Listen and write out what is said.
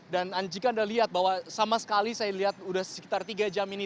dan jika anda lihat bahwa sama sekali saya lihat sudah sekitar tiga jam ini